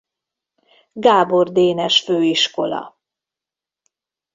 Gábor Dénes Főiskola.